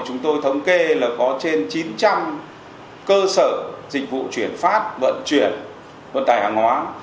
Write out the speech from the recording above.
chúng tôi thống kê là có trên chín trăm linh cơ sở dịch vụ chuyển phát vận chuyển vận tải hàng hóa